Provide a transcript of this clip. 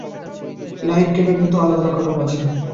Line ক্যাটদের তো আলাদা লকার রুম আছে।